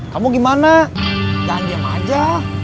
kamu gimana jangan diam aja